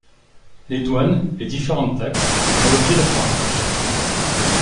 Les douanes et différentes taxes font l'objet d'un fermage.